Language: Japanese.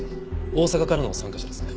大阪からの参加者ですね。